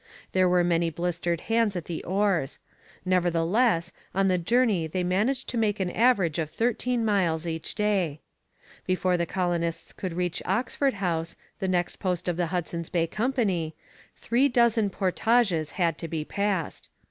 There were many blistered hands at the oars; nevertheless, on the journey they managed to make an average of thirteen miles each day. Before the colonists could reach Oxford House, the next post of the Hudson's Bay Company, three dozen portages had to be passed.